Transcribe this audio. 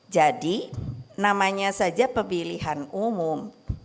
jadi namanya saja pebilihan umum